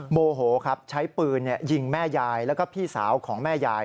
โมโหครับใช้ปืนยิงแม่ยายแล้วก็พี่สาวของแม่ยาย